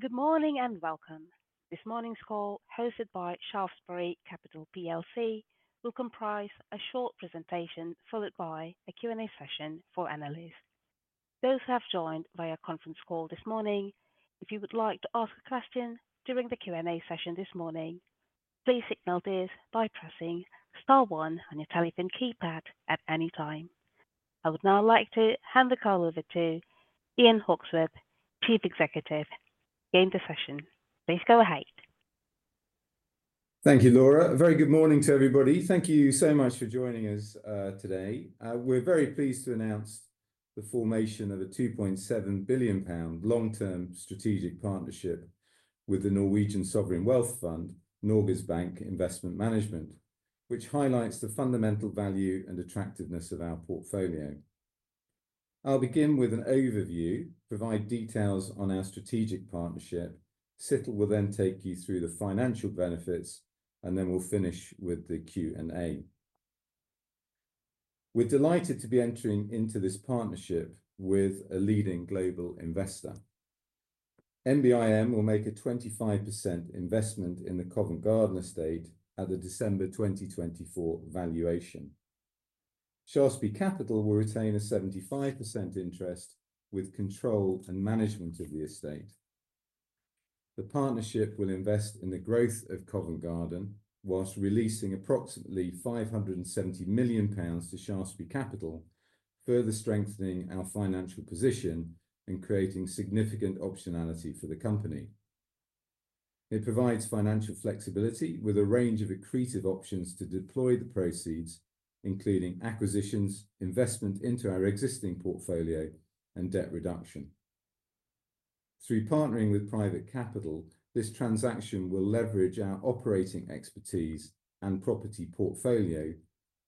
Good morning and welcome. This morning's call, hosted by Shaftesbury Capital, will comprise a short presentation followed by a Q&A session for analysts. Those who have joined via conference call this morning, if you would like to ask a question during the Q&A session this morning, please signal this by pressing star one on your telephone keypad at any time. I would now like to hand the call over to Ian Hawksworth, Chief Executive. Game the session. Please go ahead. Thank you, Laura. Very good morning to everybody. Thank you so much for joining us today. We're very pleased to announce the formation of a 2.7 billion pound long-term strategic partnership with the Norwegian Sovereign Wealth Fund, Norges Bank Investment Management, which highlights the fundamental value and attractiveness of our portfolio. I'll begin with an overview, provide details on our strategic partnership, Situl will then take you through the financial benefits, and then we'll finish with the Q&A. We're delighted to be entering into this partnership with a leading global investor. NBIM will make a 25% investment in the Covent Garden estate at the December 2024 valuation. Shaftesbury Capital will retain a 75% interest with control and management of the estate. The partnership will invest in the growth of Covent Garden whilst releasing approximately 570 million pounds to Shaftesbury Capital, further strengthening our financial position and creating significant optionality for the company. It provides financial flexibility with a range of accretive options to deploy the proceeds, including acquisitions, investment into our existing portfolio, and debt reduction. Through partnering with private capital, this transaction will leverage our operating expertise and property portfolio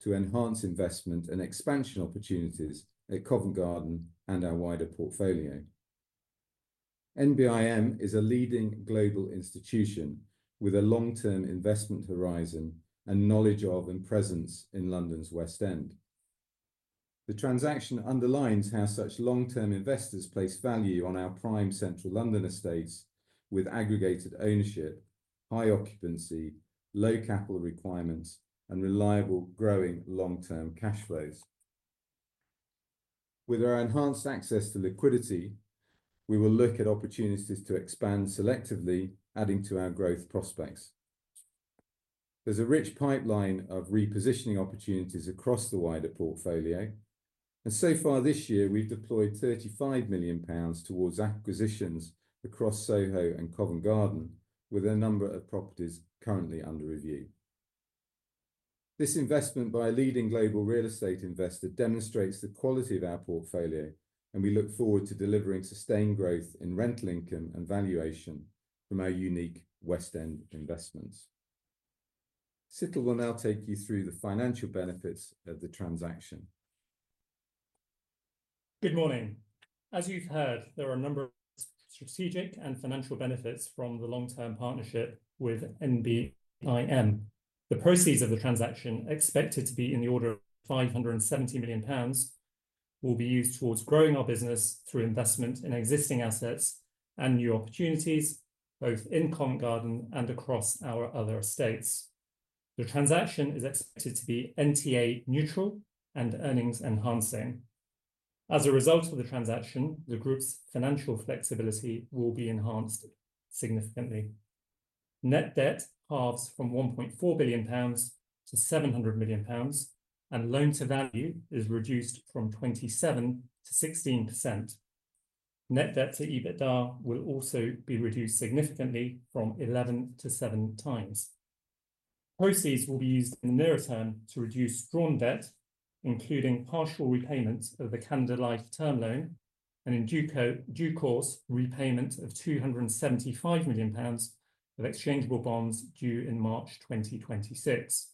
to enhance investment and expansion opportunities at Covent Garden and our wider portfolio. NBIM is a leading global institution with a long-term investment horizon and knowledge of and presence in London's West End. The transaction underlines how such long-term investors place value on our prime central London estates with aggregated ownership, high occupancy, low capital requirements, and reliable growing long-term cash flows. With our enhanced access to liquidity, we will look at opportunities to expand selectively, adding to our growth prospects. There's a rich pipeline of repositioning opportunities across the wider portfolio, and so far this year we've deployed 35 million pounds towards acquisitions across Soho and Covent Garden, with a number of properties currently under review. This investment by a leading global real estate investor demonstrates the quality of our portfolio, and we look forward to delivering sustained growth in rental income and valuation from our unique West End investments. Situl will now take you through the financial benefits of the transaction. Good morning. As you've heard, there are a number of strategic and financial benefits from the long-term partnership with NBIM. The proceeds of the transaction, expected to be in the order of 570 million pounds, will be used towards growing our business through investment in existing assets and new opportunities, both in Covent Garden and across our other estates. The transaction is expected to be NTA neutral and earnings enhancing. As a result of the transaction, the group's financial flexibility will be enhanced significantly. Net debt halves from 1.4 billion pounds to 700 million pounds, and loan to value is reduced from 27% to 16%. Net debt to EBITDA will also be reduced significantly from 11x to 7x. Proceeds will be used in the nearer term to reduce drawn debt, including partial repayment of the Canada Life term loan and in due course repayment of 275 million pounds of exchangeable bonds due in March 2026.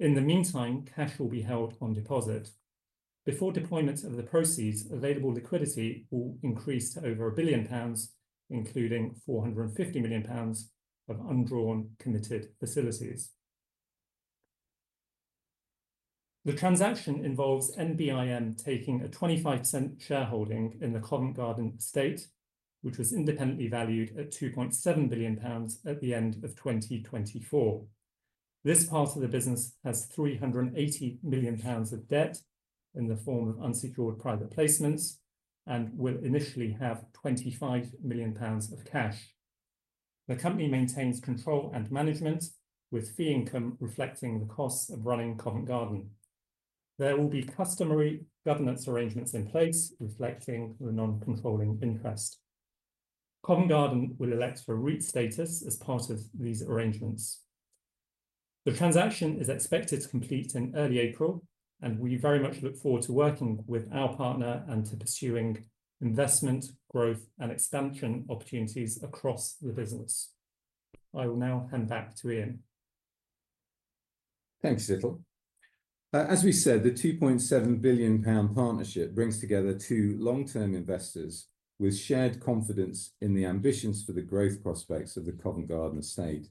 In the meantime, cash will be held on deposit. Before deployment of the proceeds, available liquidity will increase to over 1 billion pounds, including 450 million pounds of undrawn committed facilities. The transaction involves NBIM taking a 25% shareholding in the Covent Garden estate, which was independently valued at 2.7 billion pounds at the end of 2024. This part of the business has 380 million pounds of debt in the form of unsecured private placements and will initially have 25 million pounds of cash. The company maintains control and management, with fee income reflecting the costs of running Covent Garden. There will be customary governance arrangements in place, reflecting the non-controlling interest. Covent Garden will elect for REIT status as part of these arrangements. The transaction is expected to complete in early April, and we very much look forward to working with our partner and to pursuing investment, growth, and expansion opportunities across the business. I will now hand back to Ian. Thank you, Situl. As we said, the 2.7 billion pound partnership brings together two long-term investors with shared confidence in the ambitions for the growth prospects of the Covent Garden estate.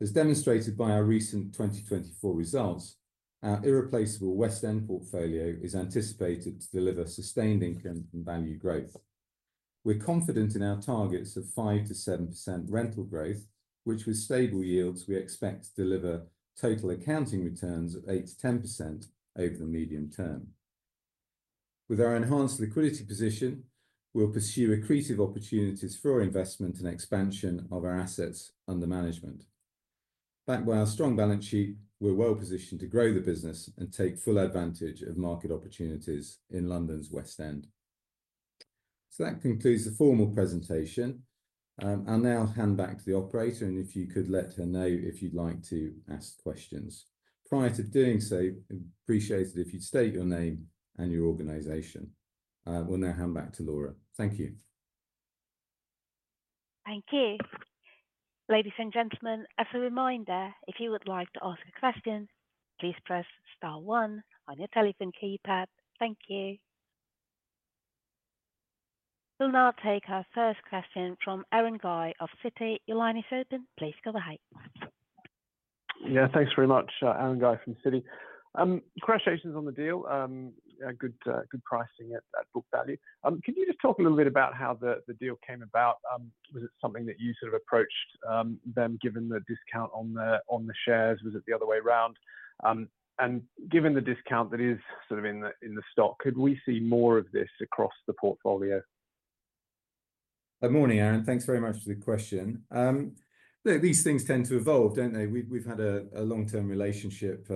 As demonstrated by our recent 2024 results, our irreplaceable West End portfolio is anticipated to deliver sustained income and value growth. We're confident in our targets of 5%-7% rental growth, which with stable yields we expect to deliver total accounting returns of 8%-10% over the medium term. With our enhanced liquidity position, we'll pursue accretive opportunities for investment and expansion of our assets under management. Backed by our strong balance sheet, we're well positioned to grow the business and take full advantage of market opportunities in London's West End. That concludes the formal presentation. I'll now hand back to the operator, and if you could let her know if you'd like to ask questions. Prior to doing so, I'd appreciate it if you'd state your name and your organization. We'll now hand back to Laura. Thank you. Thank you. Ladies and gentlemen, as a reminder, if you would like to ask a question, please press star one on your telephone keypad. Thank you. We'll now take our first question from Aaron Guy of Citi. Your line is open. Please go ahead. Yeah, thanks very much, Aaron Guy from Citi. Congratulations on the deal. Good pricing at book value. Can you just talk a little bit about how the deal came about? Was it something that you sort of approached them, given the discount on the shares? Was it the other way around? Given the discount that is sort of in the stock, could we see more of this across the portfolio? Good morning, Aaron. Thanks very much for the question. These things tend to evolve, don't they? We've had a long-term relationship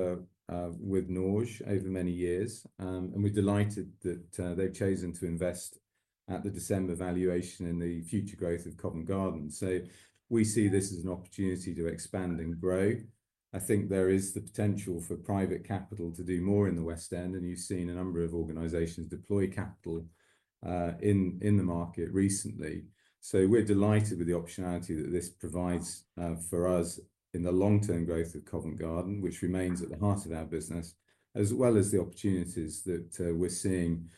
with NBIM over many years, and we're delighted that they've chosen to invest at the December valuation in the future growth of Covent Garden. We see this as an opportunity to expand and grow. I think there is the potential for private capital to do more in the West End, and you've seen a number of organizations deploy capital in the market recently. We are delighted with the optionality that this provides for us in the long-term growth of Covent Garden, which remains at the heart of our business, as well as the opportunities that we're seeing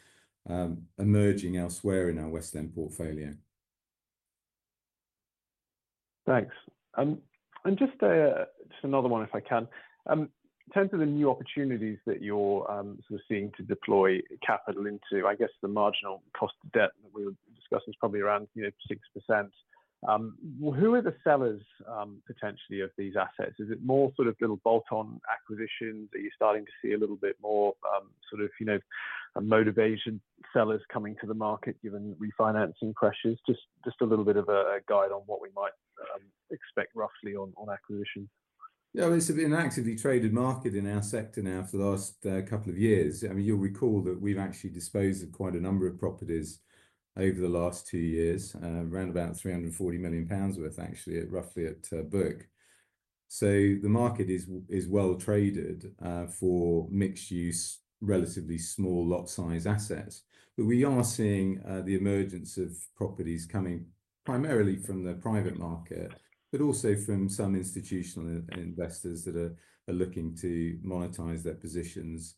emerging elsewhere in our West End portfolio. Thanks. Just another one, if I can. In terms of the new opportunities that you're sort of seeing to deploy capital into, I guess the marginal cost of debt that we were discussing is probably around 6%. Who are the sellers potentially of these assets? Is it more sort of little bolt-on acquisitions? Are you starting to see a little bit more sort of motivation sellers coming to the market given refinancing pressures? Just a little bit of a guide on what we might expect roughly on acquisitions. Yeah, I mean, it's been an actively traded market in our sector now for the last couple of years. I mean, you'll recall that we've actually disposed of quite a number of properties over the last two years, around about 340 million pounds worth, actually, roughly at book. The market is well traded for mixed-use, relatively small lot-size assets. We are seeing the emergence of properties coming primarily from the private market, but also from some institutional investors that are looking to monetize their positions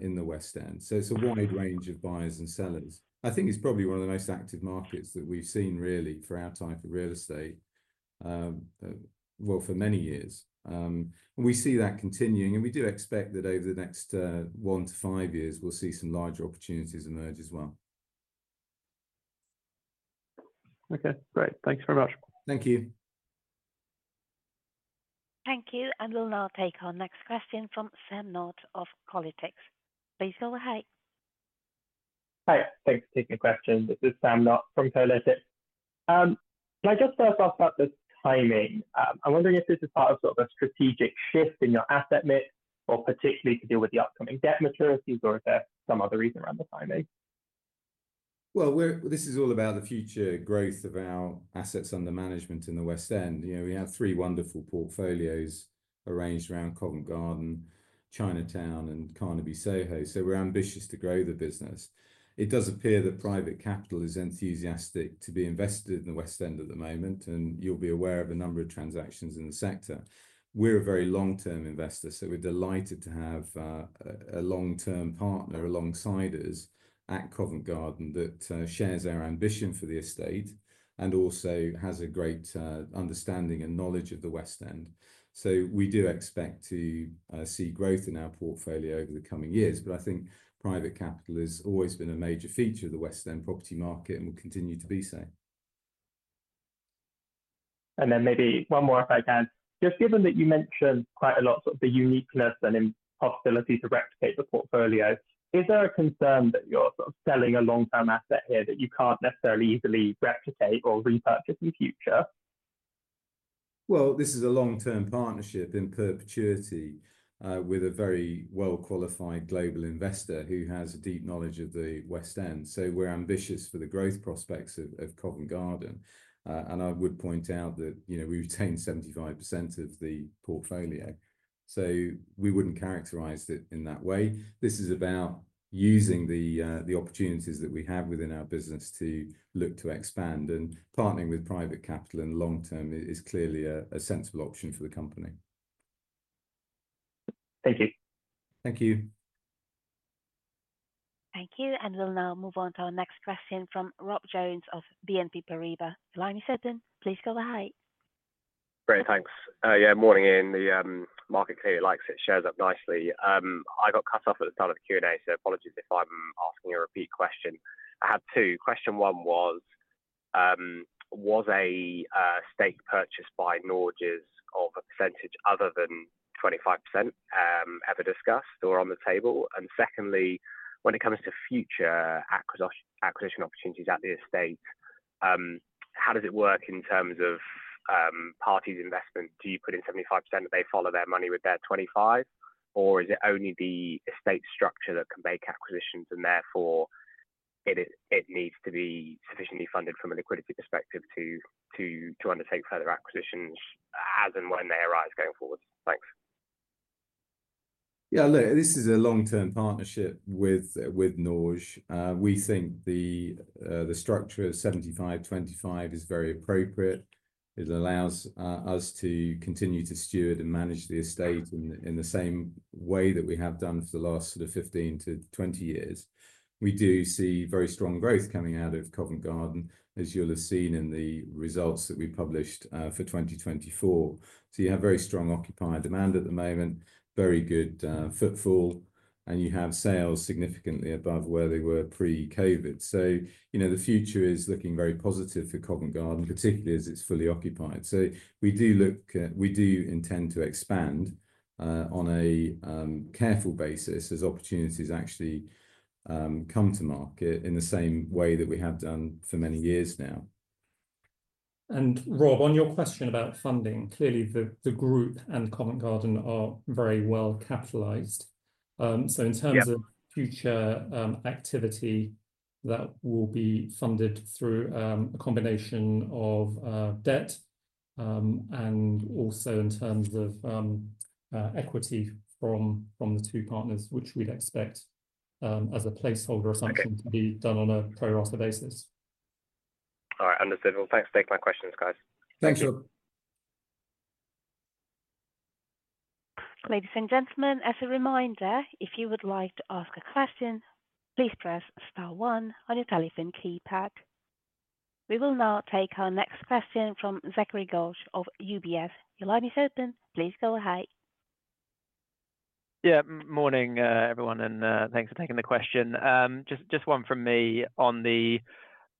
in the West End. It's a wide range of buyers and sellers. I think it's probably one of the most active markets that we've seen, really, for our type of real estate, for many years. We see that continuing, and we do expect that over the next one to five years, we'll see some larger opportunities emerge as well. Okay, great. Thanks very much. Thank you. Thank you. We will now take our next question from Sam Knott of Kolytics. Please go ahead. Hi, thanks for taking the question. This is Sam Knott from Kolytics. Can I just first ask about the timing? I'm wondering if this is part of sort of a strategic shift in your asset mix, or particularly to deal with the upcoming debt maturities, or is there some other reason around the timing? This is all about the future growth of our assets under management in the West End. We have three wonderful portfolios arranged around Covent Garden, Chinatown, and Carnaby Soho. We are ambitious to grow the business. It does appear that private capital is enthusiastic to be invested in the West End at the moment, and you will be aware of a number of transactions in the sector. We are a very long-term investor, and we are delighted to have a long-term partner alongside us at Covent Garden that shares our ambition for the estate and also has a great understanding and knowledge of the West End. We do expect to see growth in our portfolio over the coming years. I think private capital has always been a major feature of the West End property market and will continue to be so. Maybe one more, if I can. Just given that you mentioned quite a lot of the uniqueness and possibility to replicate the portfolio, is there a concern that you're sort of selling a long-term asset here that you can't necessarily easily replicate or repurchase in the future? This is a long-term partnership in perpetuity with a very well-qualified global investor who has a deep knowledge of the West End. We are ambitious for the growth prospects of Covent Garden. I would point out that we retain 75% of the portfolio. We would not characterize it in that way. This is about using the opportunities that we have within our business to look to expand. Partnering with private capital in the long term is clearly a sensible option for the company. Thank you. Thank you. Thank you. We will now move on to our next question from Rob Jones of BNP Paribas. Please go ahead. Great, thanks. Yeah, morning Ian. The market clearly likes it. Shares up nicely. I got cut off at the start of the Q&A, so apologies if I'm asking a repeat question. I had two. Question one was, was a stake purchased by Norges of a percentage other than 25% ever discussed or on the table? Secondly, when it comes to future acquisition opportunities at the estate, how does it work in terms of parties' investment? Do you put in 75% and they follow their money with their 25%? Or is it only the estate structure that can make acquisitions and therefore it needs to be sufficiently funded from a liquidity perspective to undertake further acquisitions as and when they arise going forward? Thanks. Yeah, look, this is a long-term partnership with NBIM. We think the structure of 75/25 is very appropriate. It allows us to continue to steward and manage the estate in the same way that we have done for the last sort of 15 to 20 years. We do see very strong growth coming out of Covent Garden, as you'll have seen in the results that we published for 2024. You have very strong occupier demand at the moment, very good footfall, and you have sales significantly above where they were pre-COVID. The future is looking very positive for Covent Garden, particularly as it's fully occupied. We do look at, we do intend to expand on a careful basis as opportunities actually come to market in the same way that we have done for many years now. Rob, on your question about funding, clearly the group and Covent Garden are very well capitalized. In terms of future activity, that will be funded through a combination of debt and also in terms of equity from the two partners, which we'd expect as a placeholder assumption to be done on a pro-rata basis. All right, understood. Thanks for taking my questions, guys. Thanks, Rob. Ladies and gentlemen, as a reminder, if you would like to ask a question, please press star one on your telephone keypad. We will now take our next question from Zachary Gauge of UBS. Your line is open. Please go ahead. Yeah, morning everyone, and thanks for taking the question. Just one from me on the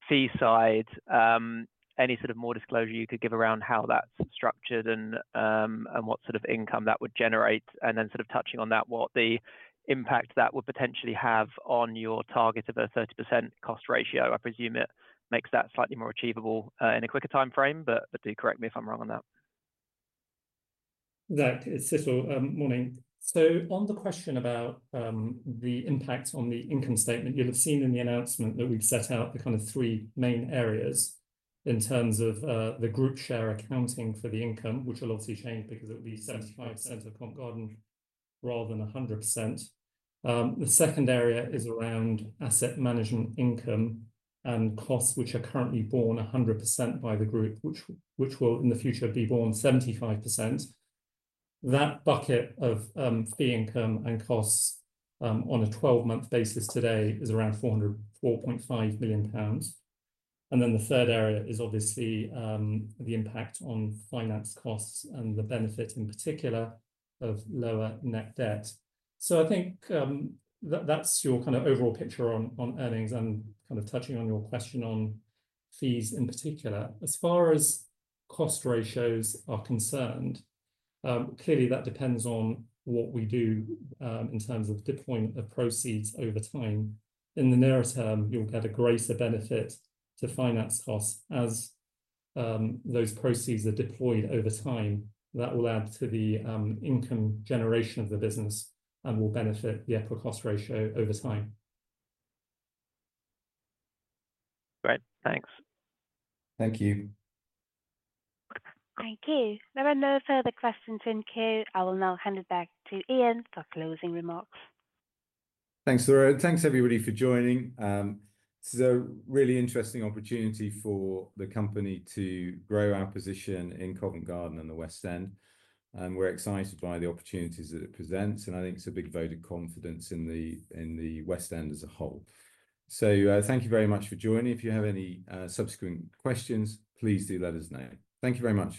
fee side. Any sort of more disclosure you could give around how that's structured and what sort of income that would generate? And then sort of touching on that, what the impact that would potentially have on your target of a 30% cost ratio. I presume it makes that slightly more achievable in a quicker time frame, but do correct me if I'm wrong on that. Right, it's Situl. Morning. On the question about the impact on the income statement, you'll have seen in the announcement that we've set out the kind of three main areas in terms of the group share accounting for the income, which will obviously change because it will be 75% of Covent Garden rather than 100%. The second area is around asset management income and costs, which are currently borne 100% by the group, which will in the future be borne 75%. That bucket of fee income and costs on a 12-month basis today is around 404.5 million pounds. The third area is obviously the impact on finance costs and the benefit in particular of lower net debt. I think that's your kind of overall picture on earnings and kind of touching on your question on fees in particular. As far as cost ratios are concerned, clearly that depends on what we do in terms of deployment of proceeds over time. In the nearer term, you'll get a greater benefit to finance costs as those proceeds are deployed over time. That will add to the income generation of the business and will benefit the equity cost ratio over time. Great, thanks. Thank you. Thank you. There are no further questions in queue. I will now hand it back to Ian for closing remarks. Thanks, Laura. Thanks, everybody, for joining. This is a really interesting opportunity for the company to grow our position in Covent Garden and the West End. We are excited by the opportunities that it presents, and I think it's a big vote of confidence in the West End as a whole. Thank you very much for joining. If you have any subsequent questions, please do let us know. Thank you very much.